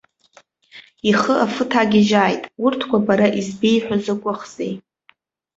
Ихы афы ҭагьежьааит, урҭқәа бара избеиҳәо закәыхзеи!